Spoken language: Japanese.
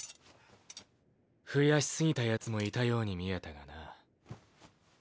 増やしすぎたヤツもいたように見えたがな。